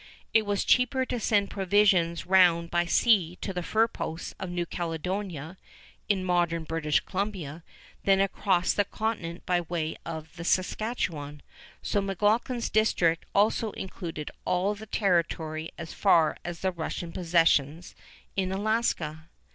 It was cheaper to send provisions round by sea to the fur posts of New Caledonia, in modern British Columbia, than across the continent by way of the Saskatchewan; so McLoughlin's district also included all the territory far as the Russian possessions in Alaska.